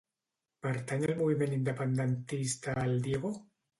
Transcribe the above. Pertany al moviment independentista el Diego?